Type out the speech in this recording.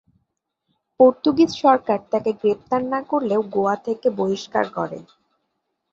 Portuguese সরকার তাকে গ্রেপ্তার না করলেও গোয়া থেকে বহিষ্কার করে।